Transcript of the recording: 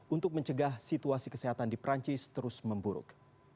untuk mencegah situasi kesehatan di perancis terus memburuk